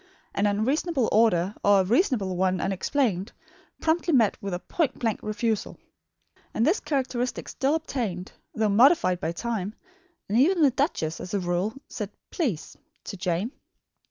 An unreasonable order, or a reasonable one unexplained, promptly met with a point blank refusal. And this characteristic still obtained, though modified by time; and even the duchess, as a rule, said "please" to Jane.